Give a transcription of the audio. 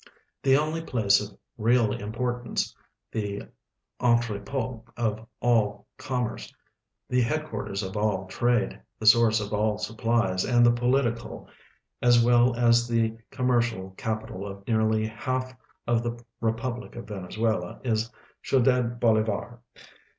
The onl}'' jilace of real importance, the entreiiot of all com merce, the headquarters of all trade, the source of all supplies, and the political as well as the commercial capital of lU'arly half of the re])ublic of Venezuela, is (dudad Bolivar.